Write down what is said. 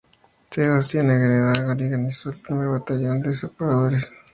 Sebastián Agreda, organizó el primer Batallón de Zapadores.